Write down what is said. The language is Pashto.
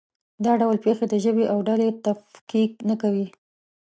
دا ډول پېښې د ژبې او ډلې تفکیک نه کوي.